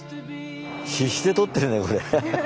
必死で撮ってるんだよこれ。